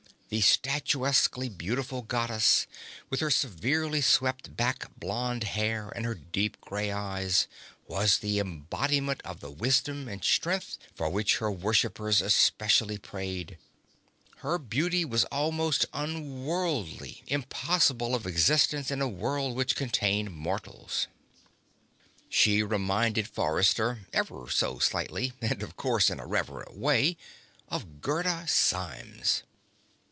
The statuesquely beautiful Goddess with her severely swept back blonde hair and her deep gray eyes was the embodiment of the wisdom and strength for which her worshippers especially prayed. Her beauty was almost unworldly, impossible of existence in a world which contained mortals. She reminded Forrester, ever so slightly (and, of course, in a reverent way), of Gerda Symes.